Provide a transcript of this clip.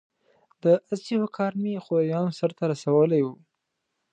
د اضحیو کار مې خوریانو سرته رسولی و.